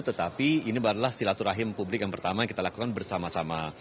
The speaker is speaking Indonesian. tetapi ini adalah silaturahim publik yang pertama yang kita lakukan bersama sama